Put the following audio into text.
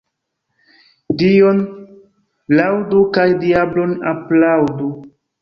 Dion laŭdu kaj diablon aplaŭdu.